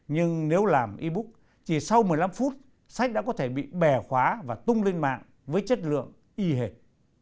nhưng nếu làm e book chỉ sau một mươi năm phút sách đã có thể bị bẻ khóa và tung lên mạng với chất lượng y hệt